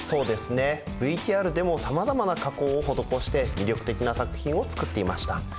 ＶＴＲでもさまざまな加工を施して魅力的な作品を作っていました。